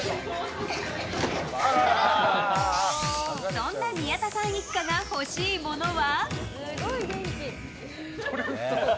そんな宮田さん一家が欲しいものは？